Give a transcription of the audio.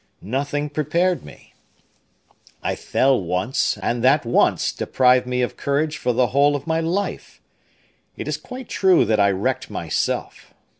Nothing prepared me; I fell once, and that once deprived me of courage for the whole of my life. It is quite true that I wrecked myself.